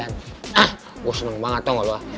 hah gue seneng banget tau gak lo